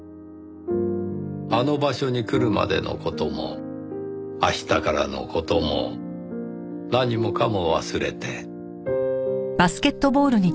あの場所に来るまでの事も明日からの事も何もかも忘れて。